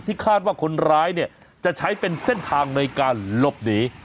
คาดว่าคนร้ายเนี่ยจะใช้เป็นเส้นทางในการหลบหนี